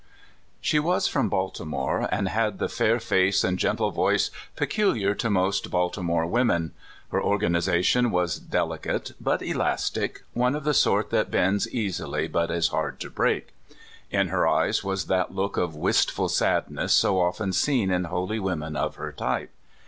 SHE was from Baltimore, and had the fair face and gentle voice peculiar to most Baltimore women. Her organization was delicate but elas tic one of the sort that bends easily, but is hard to break. In her eyes was that look of wistful sadness so often seen in holy women of her type.